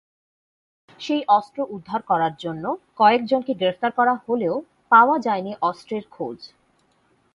সেই অস্ত্র উদ্ধার করার জন্য কয়েকজনকে গ্রেফতার করা হলেও পাওয়া যায়নি অস্ত্রের খোঁজ।